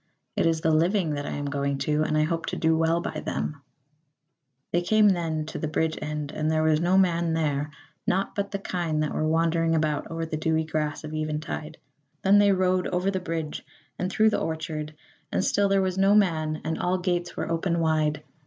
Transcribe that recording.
It is the living that I am going to, and I hope to do well by them." Came they then to the bridge end and there was no man there, nought but the kine that were wandering about over the dewy grass of eventide. Then they rode over the bridge and through the orchard, and still there was no man, and all gates were open wide.